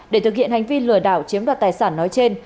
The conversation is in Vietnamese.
để thực hiện hành vi lừa đảo chiếm đoạt tài sản nói trên